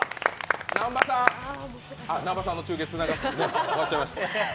南波さんの中継、終わっちゃいました。